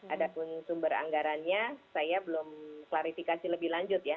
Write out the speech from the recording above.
ada pun sumber anggarannya saya belum klarifikasi lebih lanjut ya